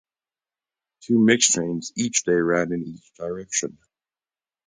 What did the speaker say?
Two mixed trains each day ran in each direction.